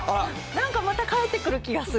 なんかまた帰ってくる気がする。